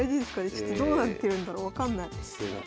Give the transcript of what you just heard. ちょっとどうなってるんだろう分かんない。